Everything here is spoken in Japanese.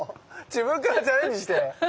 自分からチャレンジして！